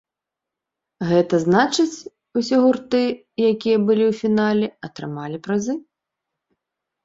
Гэта значыць, усе гурты, якія былі ў фінале, атрымалі прызы.